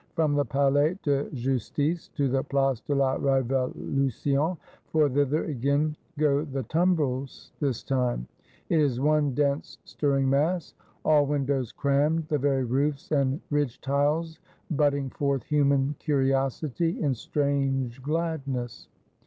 From the Palais de Justice to the Place de la Revolution, for thither again go the Tumbrels this time, it is one dense stirring mass; all windows crammed; the very roofs and ridge tiles bud ding forth human Curiosity, in strange gladness.